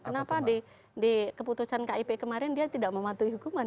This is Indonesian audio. kenapa di keputusan kip kemarin dia tidak mematuhi hukuman